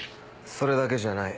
それだけじゃない。